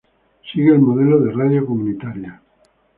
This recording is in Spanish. Sigue el modelo de radio comunitaria.